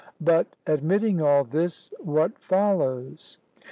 But admitting all this, what follows?